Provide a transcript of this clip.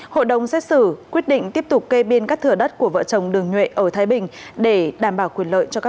hội đồng xét xử quyết định tiếp tục kê biên các thửa đất của vợ chồng đường nhuệ ở thái bình để đảm bảo quyền lợi cho các